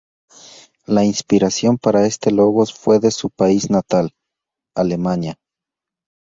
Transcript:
La inspiración para este logos fue de su país natal, Alemania.